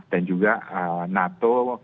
dan juga nato